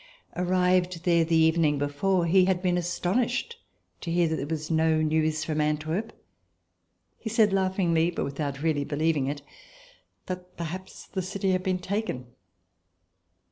Arrived there the evening before, he had been astonished that there was no news from Antwerp. He said laughingly, but without really believing it, that perhaps the city had been taken.